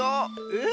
え？